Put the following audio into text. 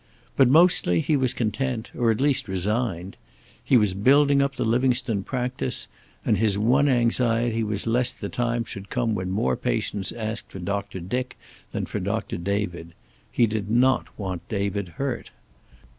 But mostly he was content, or at least resigned. He was building up the Livingstone practice, and his one anxiety was lest the time should come when more patients asked for Doctor Dick than for Doctor David. He did not want David hurt.